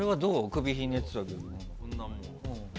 首をひねってたけど。